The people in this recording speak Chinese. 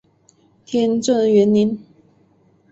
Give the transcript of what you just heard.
天正元年。